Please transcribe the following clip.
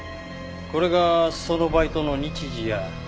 これがそのバイトの日時や条件のメモ。